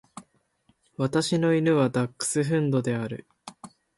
私の犬はダックスフンドである。